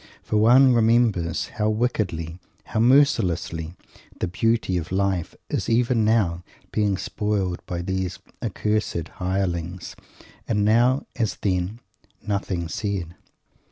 For one remembers how wickedly, how mercilessly, the beauty of life is even now being spoiled by these accursed "hirelings" and now, as then, "nothing said."